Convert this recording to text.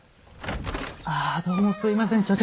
ああどうもすいません所長。